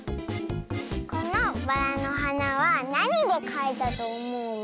このバラのはなはなにでかいたとおもう？